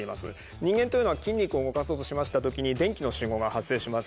人間というのは筋肉を動かそうとしました時に電気の信号が発生します